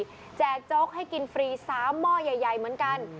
แจกโจ๊กให้กินฟรี๓หม้อใหญ่เหมือนกัน